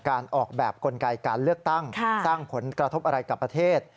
การออกแบบกลไกการเลือกตั้งสร้างผลกระทบอะไรกับประเทศ